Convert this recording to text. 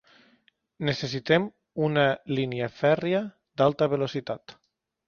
Necessitem una línia fèrria d'alta velocitat.